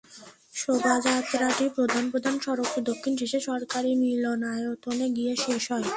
শোভাযাত্রাটি প্রধান প্রধান সড়ক প্রদক্ষিণ শেষে সরকারি মিলনায়তনে গিয়ে শেষ হয়।